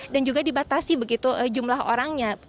dan juga dibatasi begitu jumlah orangnya